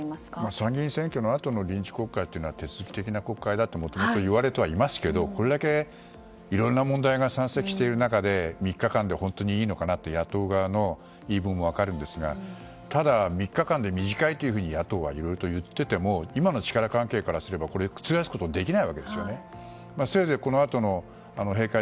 参議院選挙のあとの臨時国会というのは変則的な国会だともともと言われてはいますけどこれだけいろいろな問題が山積している中で３日間で本当にいいのかなって野党側の言い分も分かるんですがただ、３日間で短いという野党側は言っていても今の力関係で覆すことはできないわけです。